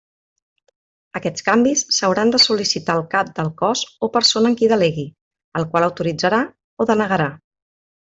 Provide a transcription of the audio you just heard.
Aquests canvis s'hauran de sol·licitar al Cap del Cos o persona en qui delegui, el qual autoritzarà o denegarà.